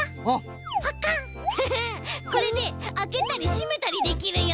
フフッこれであけたりしめたりできるよ！